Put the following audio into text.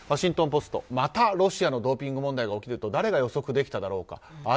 ワシントン・ポストまたロシアのドーピング問題が起きると誰が予測できただろうか。